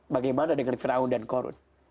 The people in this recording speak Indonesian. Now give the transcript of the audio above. bagaimana dengan fir'aun dan korun